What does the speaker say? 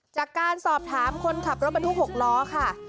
จากการสอบถามคนขับรถบรรทุก๖ล้อค่ะ